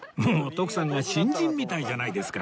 徳さんが新人みたいじゃないですか